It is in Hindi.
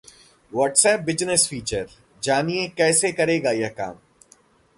WhatsApp बिजनेस फीचर, जानिए कैसे करेगा यह काम